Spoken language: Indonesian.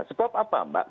sebab apa mbak